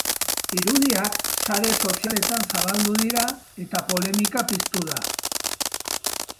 Irudiak sare sozialetan zabaldu dira eta polemika piztu da.